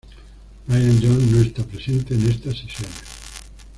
Brian Jones no está presente en estas sesiones.